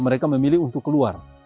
mereka memilih untuk keluar